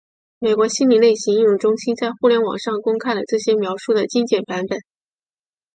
美国心理类型应用中心在互联网上公开了这些描述的精简版本。